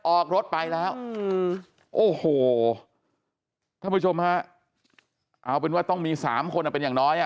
ออกรถไปแล้วโอ้โหท่านผู้ชมฮะเอาเป็นว่าต้องมีสามคนเป็นอย่างน้อยอ่ะ